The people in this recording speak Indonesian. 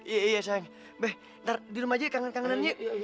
iya iya sayang be ntar di rumah aja ya kangen kangenannya